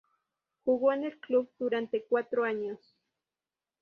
Jugó en el club durante cuatro años.